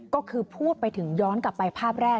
ก็คือพูดไปถึงย้อนกลับไปภาพแรก